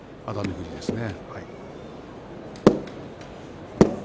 富士はですね。